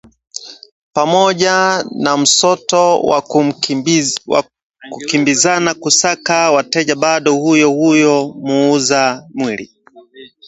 pamoja na msoto wa kukimbizana kusaka wateja bado huyo huyo muuza mwili